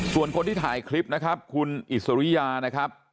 ส่วนคนที่ถ่ายคลิปนะครับคุณอิสริยานะครับ